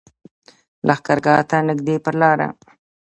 لښکرګاه ته نږدې پر لاره.